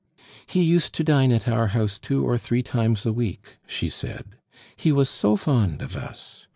"He used to dine at our house two or three times a week," she said; "he was so fond of us!